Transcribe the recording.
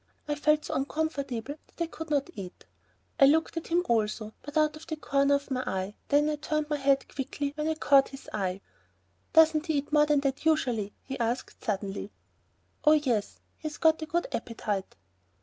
I felt so uncomfortable that I could not eat. I looked at him also, but out of the corner of my eye, then I turned my head quickly when I caught his eye. "Doesn't he eat more than that usually?" he asked suddenly. "Oh, yes, he's got a good appetite."